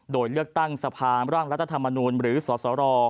โดยเลือกตั้งสภาร่างรัฐธรรมนูลหรือสสร